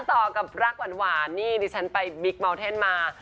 ต่อกับรักหวานนี่ดิฉันไปบิ๊กเมาเท่นมา